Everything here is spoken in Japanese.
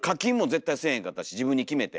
自分に決めて。